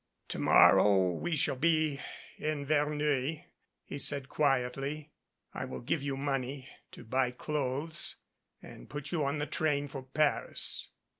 "To morrow we shall be in Verneuil," he said quietly. "I will give you money to buy clothes and put you on the train for Paris."